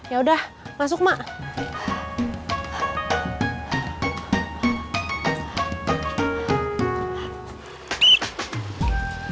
yaudah masuk mak